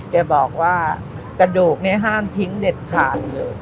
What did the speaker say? แกบอกว่ากระดูกนี้ห้ามทิ้งเด็ดขาดเลย